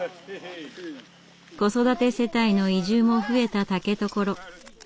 子育て世帯の移住も増えた竹所。